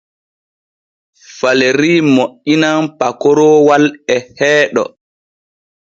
Falerii moƴƴinan pakoroowal e heeɗo.